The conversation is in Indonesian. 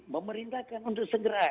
memerintahkan untuk segera